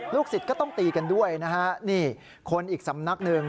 ลูกศิษย์ก็ต้องตีกันด้วยนะฮะนี่คนอีกสำนักศักดิ์หนึ่ง